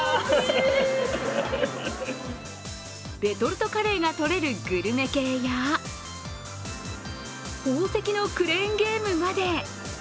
レトルトカレーが取れるグルメ系や宝石のクレーンゲームまで。